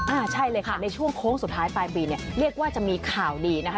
อ่าใช่เลยค่ะในช่วงโค้งสุดท้ายปลายปีเนี่ยเรียกว่าจะมีข่าวดีนะคะ